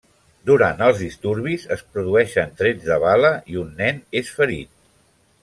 Durant els disturbis es produeixen trets de bala i un nen és ferit.